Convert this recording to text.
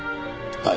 はい。